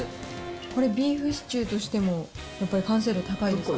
これ、ビーフシチューとしても、やっぱり完成度高いですか。